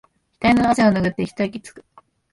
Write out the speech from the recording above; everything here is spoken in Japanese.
ひたいの汗をぬぐって一息つく